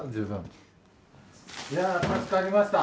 いやあ助かりました。